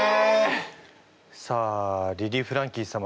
さあリリー・フランキー様